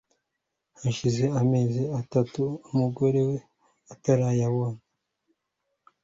hashize amezi atatu umugore atarayibona